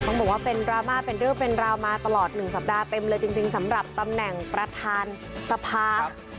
บอกว่าเป็นดราม่าเป็นเรื่องเป็นราวมาตลอด๑สัปดาห์เต็มเลยจริงสำหรับตำแหน่งประธานสภา